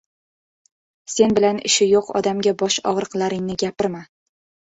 • Sen bilan ishi yo‘q odamga bosh og‘riqlaringni gapirma.